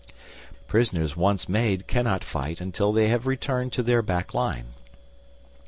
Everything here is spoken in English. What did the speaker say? Prisoners once made cannot fight until they have returned to their back line.